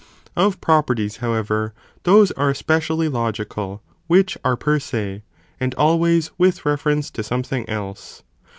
Of properties however those are especially lo gical, which are per se, and always, with reference to something else.